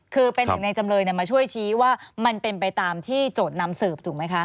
คือเป็นหนึ่งในจำเลยมาช่วยชี้ว่ามันเป็นไปตามที่โจทย์นำสืบถูกไหมคะ